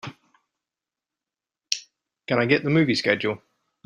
Can I get the movie schedule